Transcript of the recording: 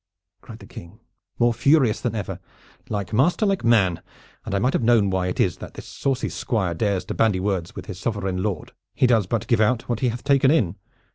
cried the King, more furious than ever. "Like master, like man, and I might have known why it is that this saucy Squire dares to bandy words with his sovereign lord. He does but give out what he hath taken in.